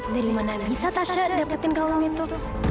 dari mana bisa tasya dapetin kamu itu